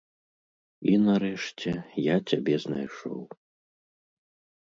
І, нарэшце, я цябе знайшоў.